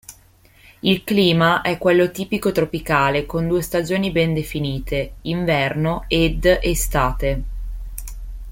Il clima è quello tipico tropicale con due stagioni ben definite: inverno ed estate.